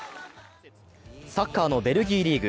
サッカーのベルギーリーグ。